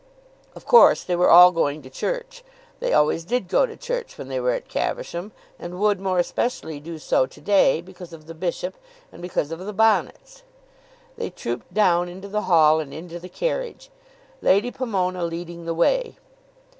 Of course they were all going to church. They always did go to church when they were at Caversham; and would more especially do so to day, because of the bishop and because of the bonnets. They trooped down into the hall and into the carriage, Lady Pomona leading the way.